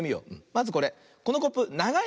まずこれこのコップながいね。